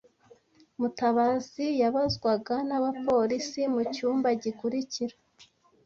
Mutabazi yabazwaga n'abapolisi mu cyumba gikurikira.